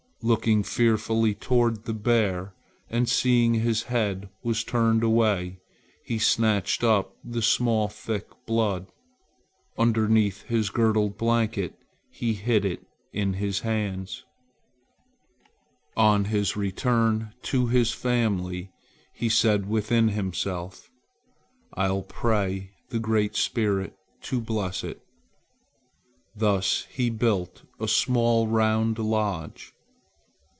Looking fearfully toward the bear and seeing his head was turned away, he snatched up the small thick blood. Underneath his girdled blanket he hid it in his hand. On his return to his family, he said within himself: "I'll pray the Great Spirit to bless it." Thus he built a small round lodge.